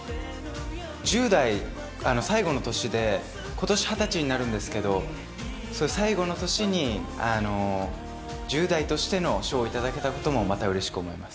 １０代最後の年で、ことし２０歳になるんですけど、最後の年に１０代としての賞を頂けたこともまたうれしく思います。